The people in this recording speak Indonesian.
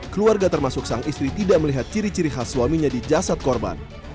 keluarga termasuk sang istri tidak melihat ciri ciri khas suaminya di jasad korban